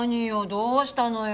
どうしたのよ？